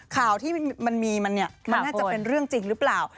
ข่าวที่มันมีมันเนี่ยมันน่าจะเป็นเรื่องจริงหรือเปล่า